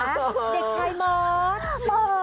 เด็กชายมอส